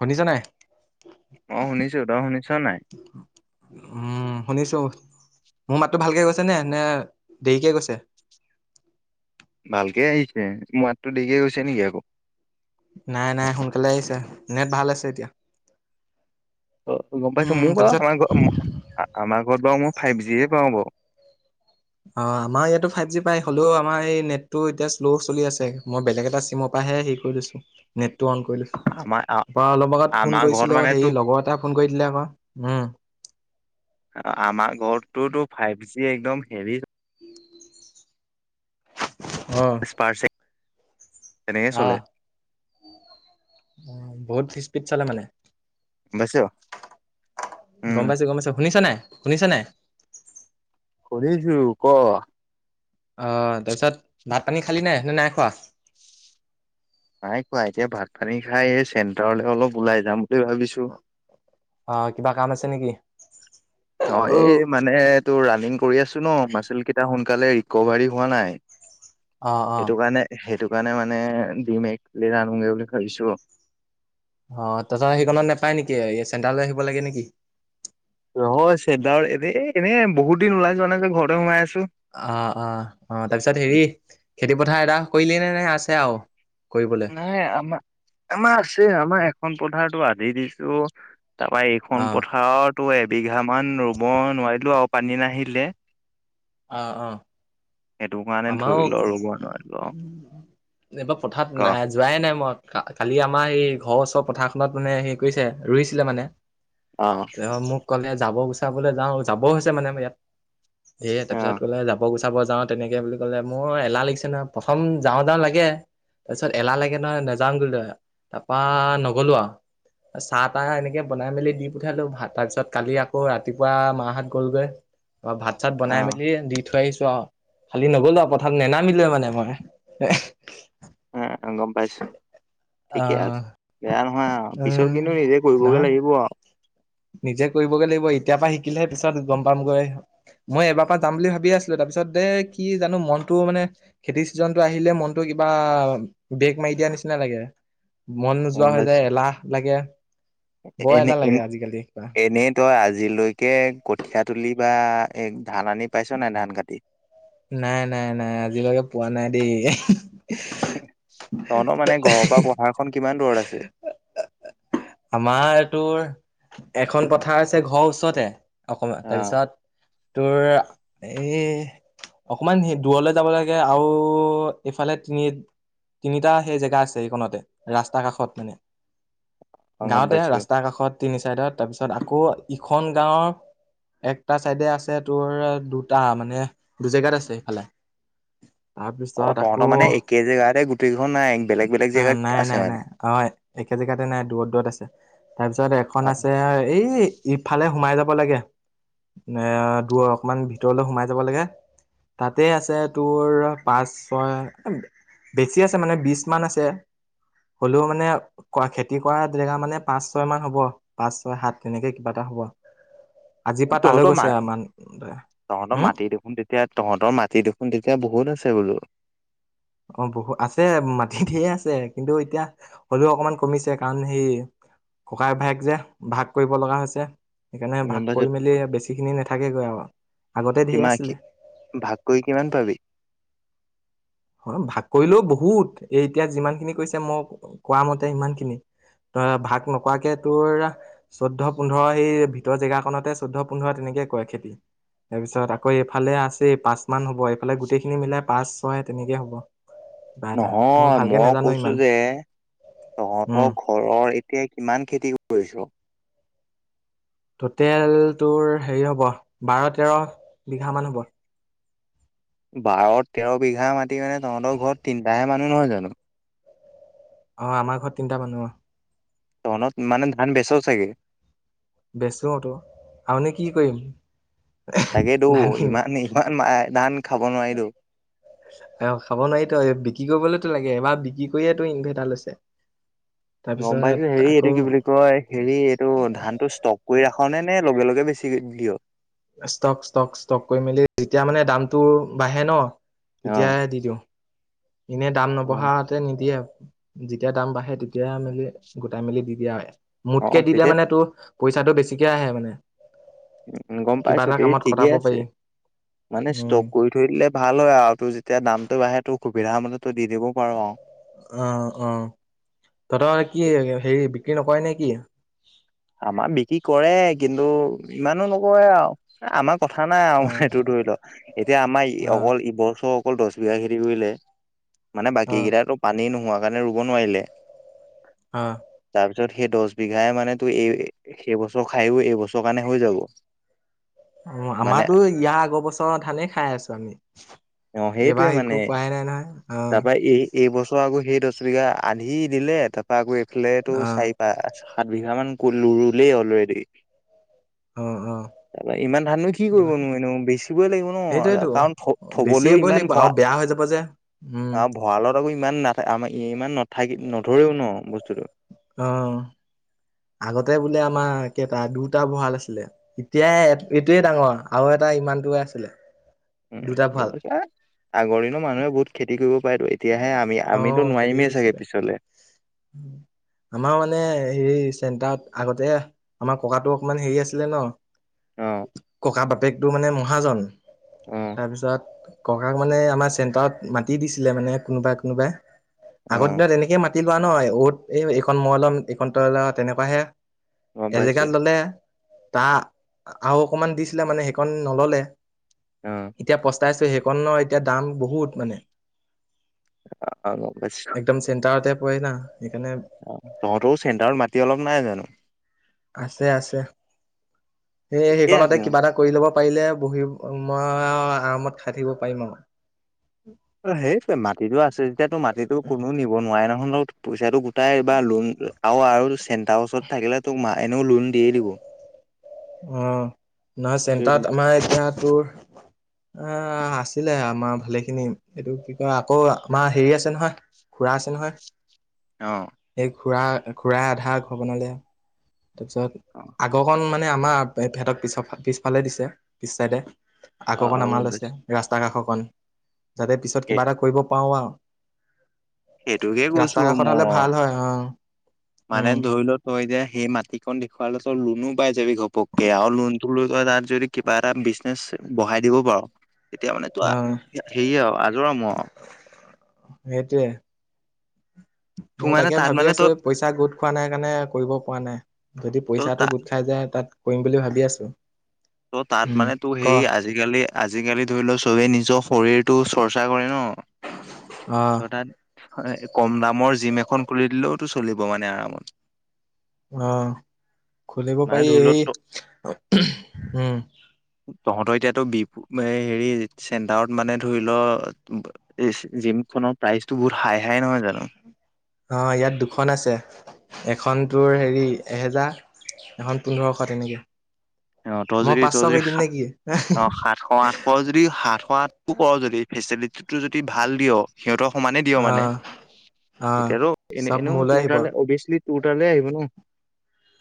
শুনিছ নাই? অ', শুনিছো তই শুনিছ নাই? উম, শুনিছো। মোৰ মাতটো ভালকৈ গৈছে নে, নে দেৰিকে গৈছে? ভালকে আহিছে। মোৰ মাত দেৰিকে গৈছে নেকি আকৌ। নাই, নাই সোনকালে আহিছে, নেট ভাল আছে এতিয়া। অ', গম পাইছোঁ। উম মোৰ বাৰু তাৰপিছত আমাৰ ঘ [unintelligible] আমাৰ ঘৰত বাৰু মই ফাইভ জিয়ে পাওঁ বাৰু। অ', আমাৰ ইয়াতো ফাইভ জি পায় হ'লেও আমাৰ এই নেটটো এতিয়া শ্ল' চলি আছে মই বেলেগ এটা চিমৰ পাহে হেৰি কৰি লৈছো, নেট টো অ'ন কৰি লৈছো। ত, আমাৰ অলপ আগত ফোন আমাৰ ঘৰত কৰিছিলো, মানে সেই তোক লগৰ এটা ফোন কৰি দিলে আমাক উম। আমাৰ ঘৰতটোতো ফাইভ জি একদম হেৰি অ'। াৰ [unintelligible] তেনেকে চলে। অ', বহুত স্পীড চালে মানে। গম পাইছ উম গম পাইছোঁ, গম পাইছোঁ। শুনিছ নাই, শুনিছ নাই? শুনিছো ক'। অ', তাৰপিছত ভাত পানী খালি নাই নে নাই খোৱা? নাই কোৱা এতিয়া ভাত পানী খাই এই চেণ্টাৰলৈ অলপ ওলাই যাম বুলি ভাবিছোঁ। অ', কিবা কাম আছে নেকি? অ', এই মানে তোৰ ৰানিং কৰি আছো ন', মাচুল কেইটা সোনকালে ৰিকভাৰী হোৱা নাই। অ সেইটো কাৰণে, সেইটো কাৰণে মানে দিম এক প্লেট অনোগে বুলি ভাবিছোঁ। অ', তাছত সেইখনত নাপায় নেকি এই চেণ্ট্ৰেললৈ আহিব লাগে নেকি? ৰহয়, চেণ্টাৰত এনে এনেই বহুত দিন ওলাই যোৱা নাই যে ঘৰতে সোমাই আছো। অ', অ, অ, তাৰপিছত সেইটো হেৰি খেতি পথাৰ এটা কৰিলি নে নে আছে আৰু কৰিবলৈ ন আমাৰ আমাৰ আছে আমাৰ এখন পথাৰতো আধি দিছো তাৰপা অ এখন পথাৰতো এবিঘা মান ৰুব নোৱাৰিলো আৰু পানী নাহিলে অ অ সেইটো কাৰণে ধৰি লোৱা ৰব নোৱাৰিলোঁ। এইবা পথাৰত নাই আজি যোৱাইে নাই মই কালি আমাৰ সেই ঘৰৰ ওচৰ পথাৰখনত মানে হে কৰিছে ৰুইছিলে মানে। অ', মোক ক'লে যাব গুচাবলৈ যাওঁ যাবও হৈছে মানে ইয়াত এ তাৰিছত অ', ক'লে যাব গৈছে। চাব যাওঁ তেনেকে বুলি ক'লে মোৰ এলাহ লাগিছে নহয় প্ৰথম যাওঁ, যাওঁ লাগে। তাৰপিছত এলাহ লাগে নহয় নেযাম বুলি তাৰপা নগলো আৰু। চাহ তাহ এনেকে বনাই মেলি দি পঠালো তাৰ পিছত কালি আকৌ ৰাতিপুৱা মা হত গ'লগৈ। অ', ভাত। পছাত বনাই অ', মেলি দি থৈ আহিছো আৰু খালি নগলো আৰু পথাতত নেনামিলে মানে মই। হ গ'ম পাইছোঁ। ঠিকে আহ আছে বেয়া নহয় আৰু পিছত উম কিন্তু নিজে কৰিবগে নহয় লাগিব আৰু। নিজে কৰিবগৈ লাগিব এতিাৰ পৰা শিকিলেহে পিছত গম পামগৈ। মই এবাৰ পৰা যাম বুলি ভাবিয় আছিলো তাৰপিছত দেই কি জানো মনটো মানে খেতি ছিজনটো আহিলে মনটো কিবা বেগ মাৰি দিয়া নিচিনা লাগে। মন নোযোৱা গম হৈ পাইছো যায় এলাহ লাগে। বৰ এনে এলাহ লাগে এনে আজিকালি কিবা এনেই তই আজিলৈকে কঠিয় তুলি বা এই ধান আনি পাইছ নাই ধান কাটি। নাই নাই নাই আজিলৈকে পোৱা নাই দেই। তহতৰ মানে ঘৰৰ পৰা পথাৰখন কিমান দূৰত আছে? আমাৰ এইটোৰ এখন পথাৰ আছে ঘৰৰ ওচৰতে। অকণমান অ', তাৰপিছত তোৰ এই অকমান স দূৰলৈ যাব লাগে আৰু এইফালে তিনি তিনিটা সেই জেগা আছে এইখনতে ৰাস্তা কাষত মানে। অ', গম গাঁওঁতে পাইছোঁ। ৰাস্তাৰ কাষত তিনি চাইডত তাৰপিছত আকৌ ইখন গাঁওৰ। একটা চাইডে আছে তোৰ দুটা মানে দু জেগাত আছে সেইফালে। অ', তাৰপিছত আকৌ তহঁতৰ মানে অ', একে জেগাতে গোটেইকেইখন নাই বেলেগ বেলেগ জেগাত নাই আছে নাই মানে। নাই হয়। একে জেগাতে নাই দূৰত দূৰত আছে। তাৰপিছত এখন অ', আছে এই ইফালে সোমাই যাব লাগে। এ দূৰ অলপমান ভিতৰলৈ সোমাই যাব লাগে। তাতে আছে তোৰ পাঁচ ছয় বেছি আছে মানে বিশ মান আছে, হ'লেও মানে ক খেতি কৰা জেগা মানে পাঁচ ছয় মান হ'ব পাঁচ ছয় সাত তেনেকে কিবা এটা হ'ব। আজিৰ পৰা তালৈ তহঁতৰ মা গৈছে আমান। হম এতিয়া তহঁতৰ মাটি দেখোন তেতিয়া বহুত আছে বোলো। অ', বহুত আছে মাটি ঢে আছে, কিন্তু এতিয়া হলেও অকমান কমিছে। কাৰণ সেই ককায়েক ভাইয়েক যে ভাগ কৰিব লগা হৈছে। সেইকাৰণে গম ভাগ পাইছোঁ কৰি মেলি বেছি খিনি নাথাকেগৈ আৰু আগতে ঢেৰ কিমান কি আছিলে। ভাগ কৰি কিমান পাবি? অ' ভাগ কৰিলেও বহুত এ এতিয়া যিমান খিনি কৈছে মোক কোৱা মতে সিমান খিনি। ত' ভাগ নকৰাকে তোৰ চৈধ্য পোন্ধৰ সেই ভিতৰ জেগাখনতে চৈধ্য পোন্ধৰ তেনেকে কৰে খেতি। তাৰ পিছত আকৌ এইফালে আছে পাঁচ মান হ'ব এইফালে গোটেই খিনি মিলাই পাঁচ ছয়। তেনেকেই হ'ব। কিবা এটা নহয় ভালকে মই নাজানো কৈছো ইমান যে উম তহঁতক ঘৰৰ এতিয়া কিমান খেতি কৰিছ? ট'টেল তোৰ হেৰি হ'ব, বাৰ তেৰ বিঘা মান হ'ব। বাৰ তেৰ বিঘা মাতি মানে তহঁতৰ ঘৰত তিনিটাহে মানুহ নহয় জানো? অ' আমাৰ ঘৰত তিনটা মানুহ হয়। তহতৰ মানে ধান বেচাও চাগে? বেচোটো আৰু নো কি কৰিম? তাকেতো ধান খিনি ইমান ইমান ধান খাব নোৱাৰি তো'। অ' খাব নোৱাৰি তো বিক্ৰী কৰিবলেতো লাগে এবাৰ বিক্ৰী কৰিয়ে তো ইনভাৰটাৰ লৈছে। গম তাৰপিছত পাইছো হেৰি আকৌ এইটো কি বুলি কয়? হেৰি এইটো ধান টো ষ্টক কৰি ৰাখ নে নে লগে লগে বেছি দিয়। ষ্টক ষ্টক ষ্টক কৰি মেলি যেতিয়া মানে দামটো বাঢ়ে ন অ তেতিয় দি দিওঁ। এনে দাম নবঢ়াতে নিদিয়ে। যেতিয়া দাম বাঢ়ে তেতিয়া মেলি গোটাই মেলি দি দিয়া হয়। অ অ মোতকে দিলে তেতিয়া মানে তোৰ পইচাটো বেছিকে আহে মানে। উ', গম কিবা পাইছো এটা দে কামত খটাব ঠিকেই আছে। পাৰি মানে উম ষ্টক কৰি ঠই দিলে ভাল হয় আৰু তোৰ যেতিয়া দামটো বাঢে তোৰ সুবিধা মতে তই দি দিব পাৰো আৰু। অ' অ' তহঁতৰ কি হেৰি বিক্ৰী নকৰে নে কি? আমাৰ বিক্ৰী কৰে কিন্তু ইমানো নকৰে আৰু। আমাৰ কথা নাই আৰু অ এইটো ধৰি লও, এতিয়া আমাৰ অ অকল ইবছ অকল দহ বিঘা খেতি কৰিলে, মানে অ বাকীকেইটো পানী নোহোৱা কাৰণে ৰুব নোৱাৰিলে। অ'। তাৰপিছত সেই দহ বিঘাই মানে তোৰ এই, সেইবছৰ খাইও এইবছৰৰ কাৰণে হৈ যাব। অ' মানে আমাৰতো ইয়াৰ আগৰ বছৰ ধানেই খাই আছোঁ আমি। অ সেইটোৱে এইবাৰ মানে একো কৰাই নাই নহয়। অ'। তাৰপা এই এইবছৰ আকৌ সেই দহ বিঘা আধি দিলে তাৰপৰা আকৌ এইফালে তোৰ অ চাৰি পা সাত বিঘামান ক ৰুলেই অলৰেডি। অ', অ'। তাৰ ইমান ধাননো কি সেইটো কথা কৰিবনো এনেও বেচিবই লাগিব ন' সেইটোয়েতো কাৰণ থবলৈও ইমান ভৰা আহ হৈ যাব যে। উম। অ' ভঁৰালত আকৌ ইমান নাথাক আম ইমান নাথাকি নধৰেও ন' বস্তুটো। অ'। আগতে বোলে আমাৰ কেইটা দুটা ভঁৰাল আছিলে এতিয়া এইটোৱে ডাঙৰ। আৰু এটা ইমানটোৱে আছিলে। উম, দুটা গম ভঁৰাল পাইছোঁ, আগৰ দিনৰ মানুহে বহুত খেতি কৰিব পাৰেতো। তেতিয়াহে আমি, অ আমিতো নোৱাৰিমেই চাগে পিছলে। হুম। আমাৰ মানে হে, চেণ্টাৰত আগতে আমাৰ ককাটো অকমান হেৰি আছিলে ন'। অ'। তাৰ বাপেকটো মানে মহাজন, অ তাৰপিছত ককাক মানে আমাৰ চেণ্টাৰত মাটি দিছিলে মানে কোনোবাই কোনোবাই, অ আগত দিনত এনেকেই মাট টি লোৱা ন' উত, এই এইখন মই ল'ম এই তই ল' তেনেকুৱাহে। গম পাইছো এজেগাত ল'লে তা আৰু অকমান দিছিলে, মানে সেইকণ নল'লে। উ। এতিয়া পস্তাই আছে, সেইখনৰ এতিয়া দাম বহুত মানে। অ' গম পাইছোঁ। একদম চেণ্টাৰতে পৰে না, সেইকাৰণে অ' তহঁতৰোঁ চেণ্টাৰত মাটি অলপ নাই জানো? আছে আছে। সেই ঠিকে সেইখনতে আছে কিবা এটা কৰি ল'ব পাৰিলে বহি, মই আৰামত খাই থাকিব পাৰিম আৰু। অ' সেই মাটিটো আছে যেতিয়া তোৰ মাটিতো কোনো নিব নোৱাৰে নহয়, পইচাটো তাই বা লোন আৰু আৰু চেন্টাৰৰ ওচৰত থাকিলে তোক এনেও লোন দিয়ে দিব। অ' নহয় চেণ্টাৰত আমাৰ এতিয়া তোৰ অ' আছিলে আমাৰ ভালেখিনি, এইটো কি কয় আকৌ আমাৰ হেৰি আছে নহয়। খুৰা আছে নহয়। অ'। এই খুৰা, খুৰা আধা ঘৰ বনালে। তাৰপিছত অ আগৰকণ মানে আমাৰ হেহঁতক পিছক পিছফালে দিছে, পিছ চাইডে। অ আগৰকন গম আমাৰ পাইছো লৈছে, ৰাস্তাৰ কাষৰকণ, যাতে পিছত সেই কিবা এটা কৰিব পাৰোঁ আৰু। সেইটোকে ৰাস্তা কৈছোঁ কাষত মই, হলে ভাল হয় অ মানে উম ধৰি ল হয় যে সেই মাটিকন দেখুৱালে তই লোনো পাই যাবি ঘপককে আৰু লোনটো লৈ তই তাত যদি কিবা এটা বিজনেচ বহাই দিব পাৰ তেতিয়া মানে তোৰ অ হেৰিয়ে আৰু আজৰ আমৰ আৰু। সেইটোৱে। তোৰ মই মানে তাকে তাত ভাবি মানে আছোঁ, তই পইচা গোট খোৱা নাই কাৰণে কৰিব পৰা নাই। যদি তই তা পইচাটো গোট খাই যায় তাত কৰিম বুলি ভাবি আছোঁ। ত' তাত মানে তোৰ হেৰি আ আজিকালি আজিকালি ধৰি লওঁ চবেই নিজৰ শৰীৰটো চৰ্চা কৰে ন। আহ অৰ্থাৎ হয়, কম দামৰ জিম এখন খুলি দিলেওঁতো চলিব মানে আৰামত। অ', খুলিব মানে পাৰি ধৰি লও এই ত উম। তহঁতৰ এতিয়াতো বি এই হেৰি চেণ্টাৰত মানে ধৰি ল এই জিমখনৰ প্ৰাইচটো বহুত হাই হাই নহয় জানো? অ', ইয়াত দুখন আছে। এখন তোৰ হেৰি এহেজাৰ এখন পোন্ধৰশ তেনেকে। অ তই মই যদি তই পাঁচশ যদি কৰি দিম সা নে কি? অ সাতশ আঠশ কৰ যদি সাতশ আঠটো কৰ যদি ফেচিলিটিটো যদি ভাল দিয় সিহঁতৰ সমানে দিয় অ মানে অ তেতিয়াটো এনে চব এনেও মোলৈ তোৰ আহিব তালে অবিয়াচলি তোৰ তালে আহিব ন।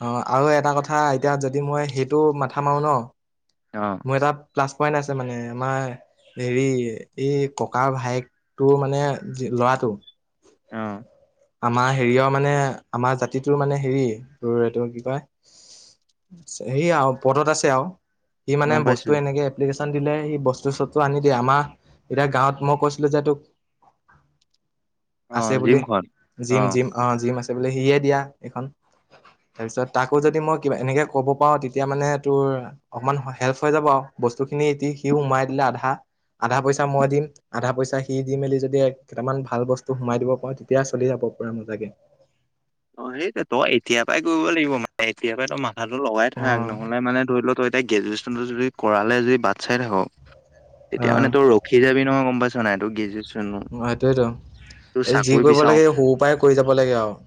অ', আৰু এটা কথা এতিয়া যদি মই সেইটো মাথা মাৰো ন। অ'। মোৰ এটা প্লাছ পইন্ট আছে মানে আমাৰ হেৰি এই ককা ভায়েকটোৰ মানে ল'ৰাটো। অ'। আমাৰ হেৰিয়ৰ মানে আমাৰ জাতিটোৰ মানে হেৰি, তোৰ এইটো কি কয় সেই আৰু পদত আছে আৰু। সি মানে গম পাইছো। বস্তু এনেকে এপ্লিকেশ্যন দিলে সি বস্তু চস্তু আনি দিয়ে। আমাৰ এতিয়া গাঁৱত মই কৈছিলো যে তোক [inaudible] অ', বুলি জিমখন। অ জিম জিম অ' জিম আছে বোলে সিয়ে দিয়া এইখন। তাৰপিছত তাকো যদি মই কিবা এনেকে ক'ব পাৰো তেতিয়া মানে তোৰ অকমান হেল্প হৈ যাব আৰু বস্তুখিনি দি সি সোমাই দিলে আধা। আধা পইচা মই দিম আধা পইচা সি দি মেলি যদি কেইটামান ভাল বস্তু সোমাই দিব পাৰো। তেতিয়া চলি যাব পুৰা মজাকে। অ', সেইটো তই এতিয়া পৰাই কৰিব লাগিব মানে এতিয়া পৰাই তই মাথা টো লগাই অ থাক। নহ'লে মানে ধৰি ল তই এতিয়া গ্ৰেজুৱেশ্যনটো যদি কৰালে যদি বাট চাই থাক অ তেতিয়া মানে তোৰ ৰখি যাবি নহয় গম পাইছনে নাই। তোৰ গ্ৰেজুৱেছ অ', সেইটোৱেতো এই যি কৰিব বিচাও লাগে এই সৰু পৰাই কৰি যাব লাগে আৰু।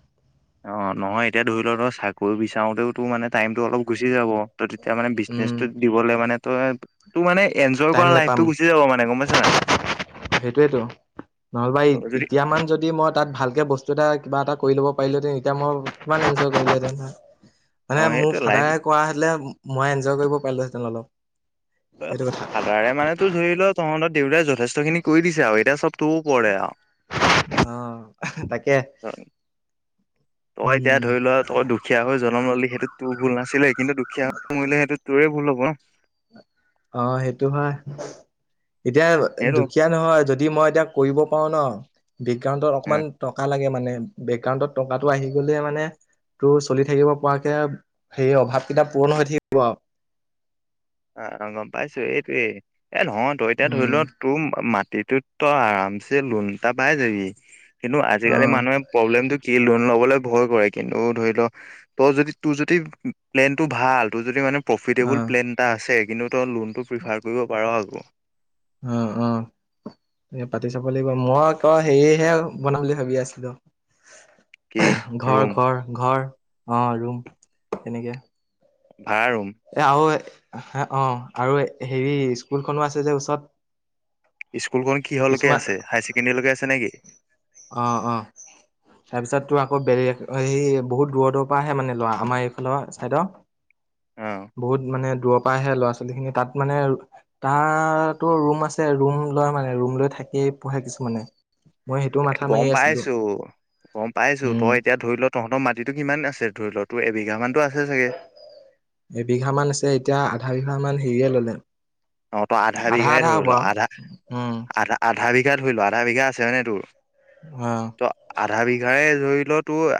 অ', নহয় এতিয়া ধৰি লওঁ তই চাকৰি বিচাৰোতেও তোৰ মানে টাইমতটো অলপ গুচি যাব। তই তেতি তিয়া মানে উম বিজনেছটোত দিবলৈ মানে তই তোৰ মানে এনজয় টাইম কৰা নোপাম লাইফটো গুচি যাব মানে গম পাইছ নে নাই? সেইটোয়েতো, নহ'বা তই যদি এতিয়া মান যদি মই তাত ভাল বস্তু এটা কিবা এটা কৰি ল'ব পাৰিলোঁহেঁতেন, এতিয়া মই কিমান এনজয় কৰিলোহেঁতেন হয়। মানে অ মোৰ সেইটো লাইফ ফাদাৰে কৰা হ'লে মই এনজয় কৰিব পাৰিলোহেঁতেন অলপ। সেইটো কথা ফাদাৰে মানে তোৰ ধৰি ল তহঁতৰ দেউতাই যথেষ্টখিনি কৰি দিছে আৰু এতিয়া চব তোৰ ওপৰতে আৰু। অ', তাকে। তই এতিয়া উম ধৰি লোৱা তই দুখীয়া হৈ জ জনম ল'লি সেইটোত তোৰ ভুল নাছিলে। কিন্তু দুখীয়া হৈ মৰিলে সেইটো তোৰে ভুল হ'ব ন। অ', সেইটো হয়। এতিয়া সেইটো দুখীয়া নহয় যদি মই এতিয়া কৰিব পাৰো ন, বেকগ্ৰাউণ্ডত অকমান টকা লাগে মানে। বেকাউণ্টত টকাটো আহি গ'লে মানে তোৰ চলি থাকিব পৰাকে সেই অভাৱ কেইটা পূৰণ হৈ থাকিব আৰু। অ', অ', গম পাইছো এইটোয়েই। এ নহয় তই এতিয়া ধৰি উম ল তোৰ মাটিটোত তই আৰামছে লোন এটা পাই যাবি। কিন্তু আজিকালি অ' মানুহে প্ৰব্লেমটো কি লোন ল'বলৈ ভয় কৰে। কিন্তু ধৰি লওঁক তই যদি তোৰ যদি প্লেনটো ভাল তোৰ যদি মানে প্ৰফিটেবল অ' প্লেন এটা আছে কিন্তু তই লোনটো প্ৰিফাৰ কৰিব পাৰ আকৌ। অ', অ'। এ পাতি চাব লাগিব। মই আকৌ হেৰিহে বনাম বুলি ভাবি আছিলো। কি ঘৰ, ৰুম ঘৰ, ঘৰ, অ ', ৰুম তেনেকে। ভাড়া ৰুম? আৰু হ, অ', আৰু হেৰি, স্কুলখনো আছে যে ওচৰত। স্কুলখন কিহৰলৈকে কিছুমান আছে, হাইচেকেণ্ডেৰীলৈকে আছে নেকি? অ, অ'। তাৰপিছত তোৰ আকৌ বে হেৰি, বহুত দূৰৰ দুৰৰ পৰা আহে মানে ল'ৰা, আমাৰ এইফালৰ ছাইডৰ। অ'। বহুত মানে দূৰৰ পৰা আহে ল'ৰা ছোৱালী খিনি, তাত মানে তাটো ৰুম আছে, ৰুম লয় মানে ৰুম লৈ থাকি পঢ়ে কিছুমানে। মই সেইটো এ, মাথা মাৰি গম আছিলো পাইছোঁ, গম পাইছোঁ, উম তই এতিয়া ধৰি ল' তহঁতৰ মাটিটো কিমান আছে, ধৰি লোৱা তোৰ এবিঘা মানটো আছে চাগে। এবিঘা মান আছে, এতিয়া আধা বিঘা মান হেৰিয়ে ল'লে। অ', তই আধা বিঘাই ধৰি ল' আধা, উম আধা আধা, বিঘা ধৰি ল' আধা বিঘা আছে হয়নে নহয় তোৰ। অ'। ত' আধা বিঘাৰে ধৰি ল' তোৰ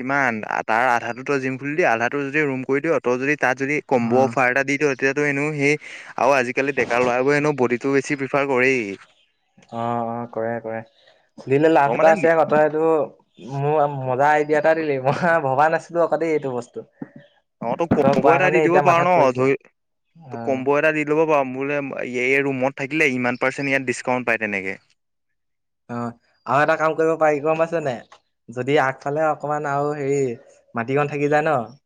কিমান, তাৰ আধাটো জিম খুলি দি আধাটো যদি ৰুম কৰি দিয়, তই যদি তাত যদি অ অ কম্ব অফাৰ এটা দি দিয়, তেতিয়াটো এনো সেই, আৰু আজিকালি ডেকা ল'ৰাবোৰ এনেো ব টো, বেছি প্ৰিফাৰ কৰেই। অ, অ', কৰে কৰে, খুলিলে তই লাভ মানে এটা নি- আছে, তই এইটো মোৰ মজা আইডিয়া এটা দিলি, মই ভবা নাছিলো আকৌ দেই এইটো বস্তু। অ', তই কম্ব কোৱা এটা কাৰণে দি দিব এতিয়া পাৰি মাথাত ন' পৰিছে ধৰি ত অ কম্ব এটা দি ল'ব পাৰ, মোৰ এই এই ৰুমত থাকিলে ইমান পাৰ্চেণ্ট ইয়াত ডিছকাউণ্ট পায় তেনেকৈ। অ ', আৰু এটা কাম কৰিব পাৰি, গম পাইছেনে নাই। যদি আগফালে অকমান আৰু হেৰি মাটিকন থাকি যায় ন'